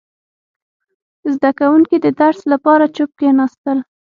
• زده کوونکي د درس لپاره چوپ کښېناستل.